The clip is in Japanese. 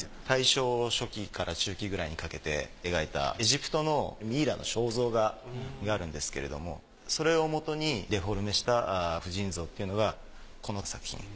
大正初期から中期くらいにかけて描いたエジプトのミイラの肖像画になるんですけれどもそれをもとにデフォルメした婦人像っていうのがこの作品。